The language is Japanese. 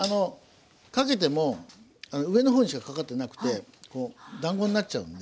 かけても上の方にしかかかってなくてこうだんごになっちゃうんで。